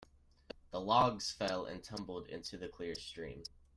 The logs fell and tumbled into the clear stream.